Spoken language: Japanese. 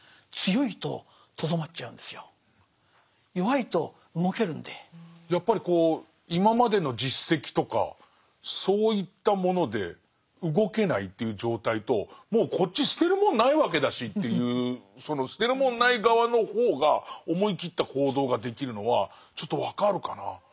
変化のあわいの時代ですからやっぱりこう今までの実績とかそういったもので動けないという状態ともうこっち捨てるもんないわけだしというその捨てるもんない側の方が思い切った行動ができるのはちょっと分かるかな。